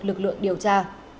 lực lượng điều tra